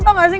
tau gak sih